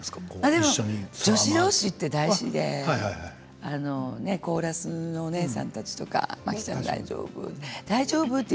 でも女子どうしって大事でコーラスのお姉さんたちとか摩季ちゃん大丈夫？って。